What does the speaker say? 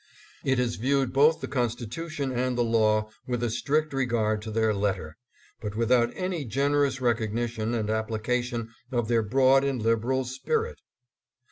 It has viewed both the Constitu tion and the law with a strict regard to their letter, but without any generous recognition and application of their broad and liberal spirit.